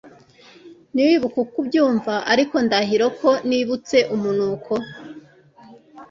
ntiwibuke uko byumva ariko ndahiro ko nibutse umunuko